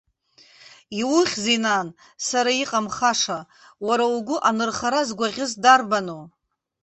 Иухьзеи, нан, сара иҟамхаша, уара угәы анырхара згәаӷьыз дарбану?